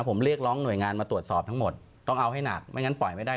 ผมเรียกร้องหน่วยงานมาตรวจสอบทั้งหมดต้องเอาให้หนักไม่งั้นปล่อยไม่ได้